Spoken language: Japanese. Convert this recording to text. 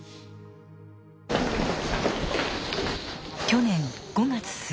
去年５月末。